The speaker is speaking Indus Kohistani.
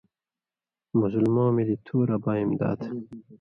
مسلموں ملِی تُھو رباں امداد